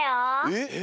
えっ？